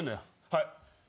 はい。